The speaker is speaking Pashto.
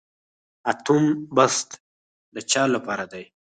اتم بست د چا لپاره دی؟